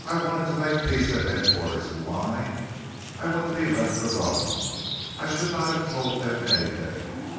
"I wanted to make peace at Headquarters," he whined. "I want to be left alone. I should not have told them anything."